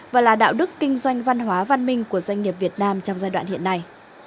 và là đạo đức kinh doanh văn hóa văn minh của doanh nghiệp việt nam trong giai đoạn hiện nay